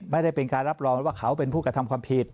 ไม่ได้เป็นการรับรองว่าเขาเป็นผู้กระทำความผิด